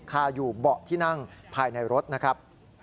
คาอยู่เบาะที่นั่งภายในรถนะครับ